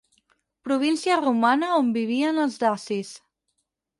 Província romana on vivien els dacis.